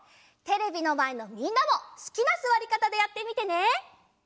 テレビのまえのみんなもすきなすわりかたでやってみてね！